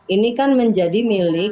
ini kan menjadi milik